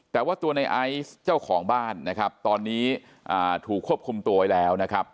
แต่ว่าตัวในไอซ์เจ้าของบ้านนะครับตอนนี้ถูกควบคุมตัวไว้แล้วนะครับ